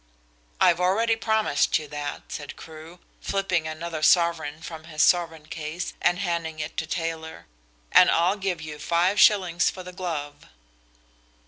"I've already promised you that," said Crewe, flipping another sovereign from his sovereign case and handing it to Taylor, "and I'll give you five shillings for the glove."